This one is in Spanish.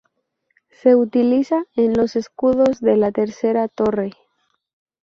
Se utiliza en los escudos de la tercera "Torre".